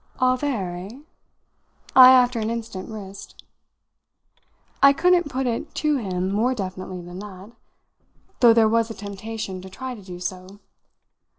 "All there, eh?" I after an instant risked. I couldn't put it to him more definitely than that, though there was a temptation to try to do so.